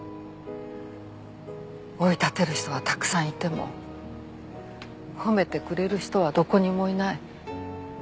追い立てる人はたくさんいても褒めてくれる人はどこにもいない。